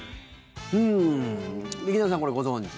劇団さん、これ、ご存じ？